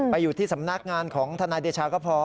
อยู่ที่สำนักงานของทนายเดชาก็พอ